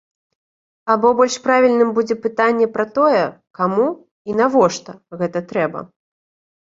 Або больш правільным будзе пытанне пра тое, каму і навошта гэта трэба?